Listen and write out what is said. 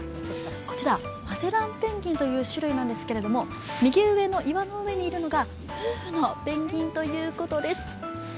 こちら、マゼランペンギンという種類なんですけれども、右上の岩の上にいるのが夫婦のペンギンということです。